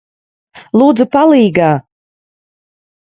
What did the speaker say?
Lūdzu, palīgā!